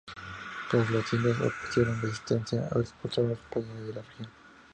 Pero los indios opusieron resistencia y expulsaron a los españoles de la región.